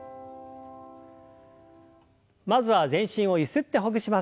まずは全身をゆすってほぐします。